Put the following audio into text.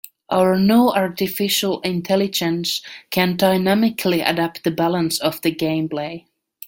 Our new AI can dynamically adapt the balance of the gameplay.